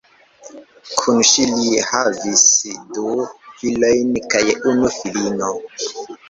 Kun ŝi li havis du filojn kaj unu filino.